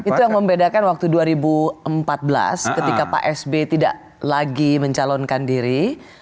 itu yang membedakan waktu dua ribu empat belas ketika pak sb tidak lagi mencalonkan diri